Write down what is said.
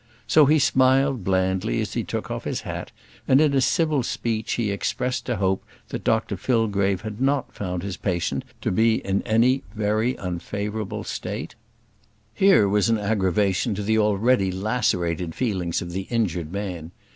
So he smiled blandly as he took off his hat, and in a civil speech he expressed a hope that Dr Fillgrave had not found his patient to be in any very unfavourable state. Here was an aggravation to the already lacerated feelings of the injured man.